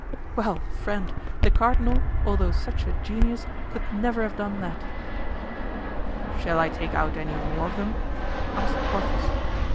"Well! friend, the cardinal, although such a genius, could never have done that." "Shall I take out any more of them?" asked Porthos.